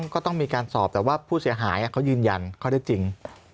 ก็ต้องมีการสอบแต่ว่าผู้เสียหายเขายืนยันข้อได้จริง